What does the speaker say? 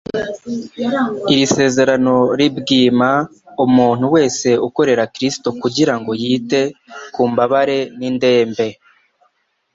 Iri sezerano ribwima umuntu wese ukorera Kristo kugira ngo yite ku mbabare n'indembe.